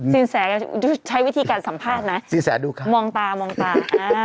สินเสียยาใช้วิธีการสัมภาษณ์นะมองตามองตานะฮะ